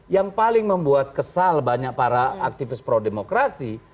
yang paling membuat kesal banyak para aktivis pro demokrasi